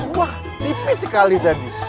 wah tipis sekali tadi